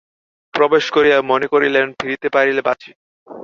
প্রবেশ করিয়াই মনে করিলেন, ফিরিতে পারিলে বাঁচি।